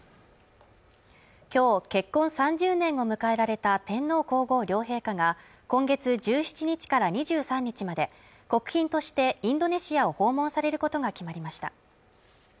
今日、結婚３０年を迎えられた天皇皇后両陛下が今月１７日から２３日まで、国賓としてインドネシアを訪問されることが決まりました